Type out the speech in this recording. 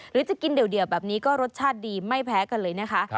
หรือจะกินเดี่ยวแบบนี้ก็รสชาติดีไม่แพ้กันเลยนะคะ